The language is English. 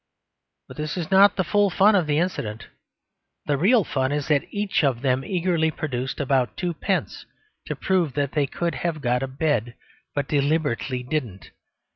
But this is not the full fun of the incident. The real fun is that each of them eagerly produced about twopence, to prove that they could have got a bed, but deliberately didn't.